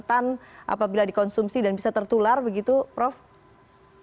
atau mungkin memang sama sekali manusia tak bisa tertular atau hewan ternak yang mungkin terinfeksi begitu ya pmk